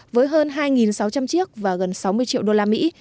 với hơn hai sáu trăm linh chiếc và gần sáu mươi triệu đô la mỹ